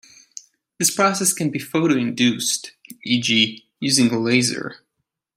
This process can be photoinduced, e.g., using a laser.